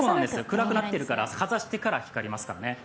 くらくなっていますから、かざしてから光りますからね。